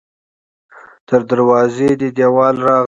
تر دروازو دې دیوال راغلی